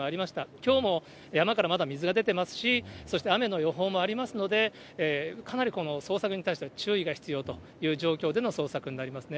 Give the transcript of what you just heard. きょうも山からまだ水が出てますし、そして雨の予報もありますので、かなり捜索に対しては、注意が必要という状況での捜索になりますね。